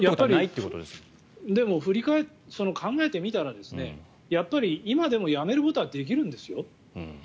でも、考えてみたらやっぱり、今でもやめることはできるんですよ。